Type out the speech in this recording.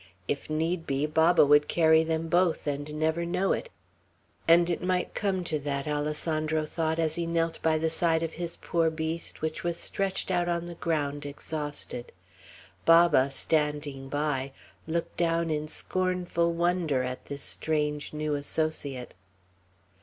If need be, Baba would carry them both, and never know it; and it might come to that, Alessandro thought, as he knelt by the side of his poor beast, which was stretched out on the ground exhausted; Baba standing by, looking down in scornful wonder at this strange new associate.